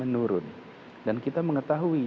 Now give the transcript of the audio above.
turun dan kita mengetahui